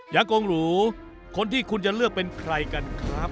ยากงหรูคนที่คุณจะเลือกเป็นใครกันครับ